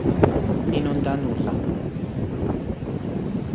E non dà nulla".